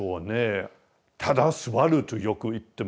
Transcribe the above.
ただ座るとよく言ってますね。